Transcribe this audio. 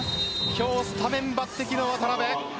今日スタメン抜擢の渡邊。